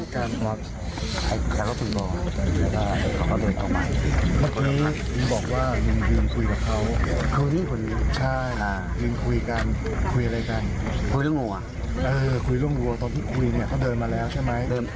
คุยเรื่องวัวตอนที่คุยเค้าเดินมาแล้วใช่ไหม